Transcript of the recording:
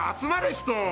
人！